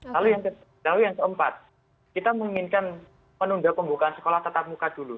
lalu yang keempat kita menginginkan menunda pembukaan sekolah tatap muka dulu